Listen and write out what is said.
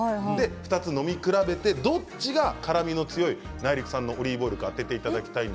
２つ飲み比べて、どっちが辛みの強い内陸産のオリーブオイルか当ててみてください。